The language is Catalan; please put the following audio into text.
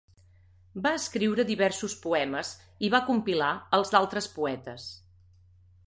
Va escriure diversos poemes i va compilar els d'altres poetes.